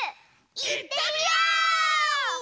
いってみよう！